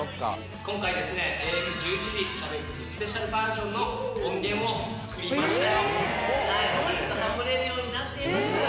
今回、ＡＭ１１：００、しゃべくりスペシャルバージョンの音源を作りました。